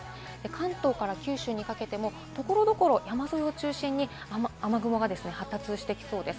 関東から九州にかけても所々、山沿いを中心に雨雲が発達してきそうです。